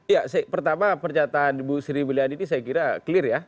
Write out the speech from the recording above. ya pertama pernyataan bu sri willian ini saya kira clear ya